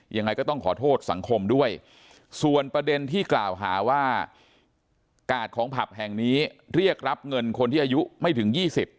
ยังไงก็ต้องขอโทษสังคมด้วยส่วนประเด็นที่กล่าวหาว่ากาดของผับแห่งนี้เรียกรับเงินคนที่อายุไม่ถึง๒๐